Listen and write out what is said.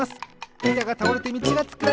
いたがたおれてみちがつくられていく！